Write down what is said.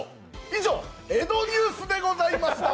以上、江戸ニュースでございました！